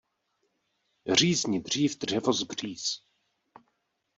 Řízni dřív dřevo z bříz.